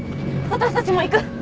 私たちも行く！